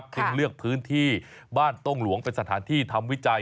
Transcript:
จึงเลือกพื้นที่บ้านต้งหลวงเป็นสถานที่ทำวิจัย